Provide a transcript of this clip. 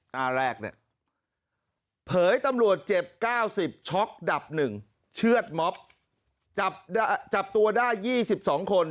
หน้าแรกเนี่ยเผยตำรวจเจ็บ๙๐ช็อกดับ๑เชื่อดม็อบจับตัวได้๒๒คน